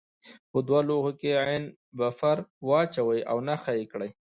په دوه لوښو کې عین بفر واچوئ او نښه یې کړئ.